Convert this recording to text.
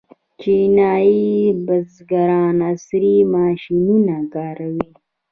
چینايي بزګران عصري ماشینونه کاروي.